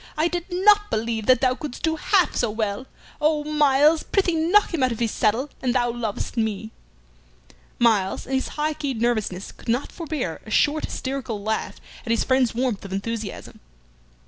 I did not believe that thou couldst do half so well. Oh, Myles, prithee knock him out of his saddle an thou lovest me!" Myles, in his high keyed nervousness, could not forbear a short hysterical laugh at his friend's warmth of enthusiasm.